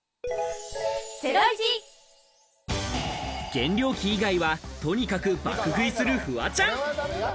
減量期以外は、とにかく爆食いするフワちゃん。